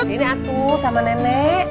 sini aku sama nenek